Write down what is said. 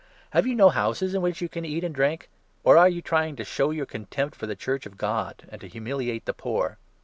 Have you no houses in which you can 22 eat and drink ? Or are you trying to show your contempt for the Church of God, and to humiliate the poor?